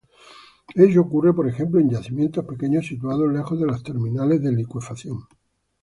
Ello ocurre por ejemplo en yacimientos pequeños situados lejos de los terminales de licuefacción.